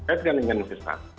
dikaitkan dengan investasi